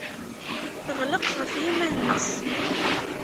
Teɣleq ɣef yiman-nnes.